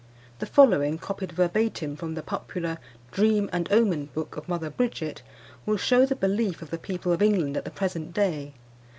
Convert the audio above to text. The following, copied verbatim from the popular Dream and Omen Book of Mother Bridget, will shew the belief of the people of England at the present day.